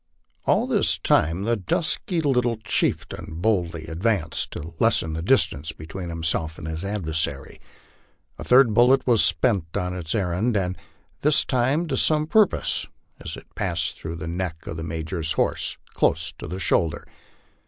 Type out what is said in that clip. All this time the dusky little chieftain boldly advanced, to lessen the distance between himself and his adversary. A third bullet was sped on its errand, and this time to some purpose, as it passed through the neck of the Major's horse, close to the shoulder.